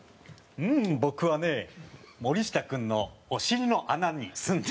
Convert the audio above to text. ううん僕はね森下君のお尻の穴にすんでたよ。